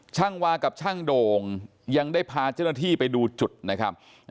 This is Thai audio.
วากับช่างโด่งยังได้พาเจ้าหน้าที่ไปดูจุดนะครับ